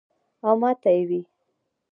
او ماته ئې وې ـ "